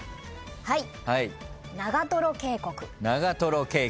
はい。